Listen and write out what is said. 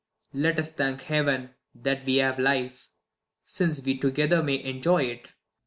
Let us thank Heaven that we have life, since we together May enjoy it.